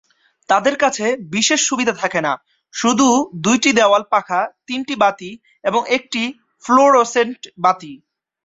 তাদের কাছে বিশেষ সুবিধা থাকে না, শুধু দুইটি দেওয়াল পাখা, তিনটি বাতি এবং একটি ফ্লুরোসেন্ট বাতি।